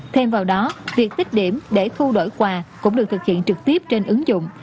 thêm vào đó việc tích điểm để thu đổi quà cũng được thực hiện trực tiếp trên ứng dụng